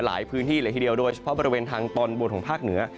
หลายพื้นที่เลยทีเดียวโดยเฉพาะบริเวณทางตอนบนของภาคเหนือ